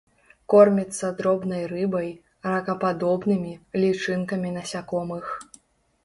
Корміцца дробнай рыбай, ракападобнымі, лічынкамі насякомых.